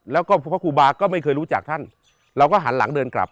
แล้วก็พระครูบาก็ไม่เคยรู้จักท่านเราก็หันหลังเดินกลับ